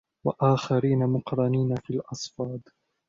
وآخرين مقرنين في الأصفاد